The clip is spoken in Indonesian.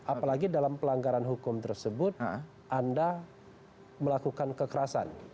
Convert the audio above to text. apalagi dalam pelanggaran hukum tersebut anda melakukan kekerasan